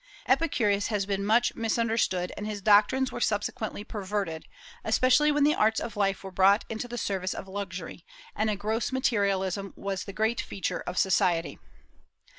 Epicurus has been much misunderstood, and his doctrines were subsequently perverted, especially when the arts of life were brought into the service of luxury, and a gross materialism was the great feature of society.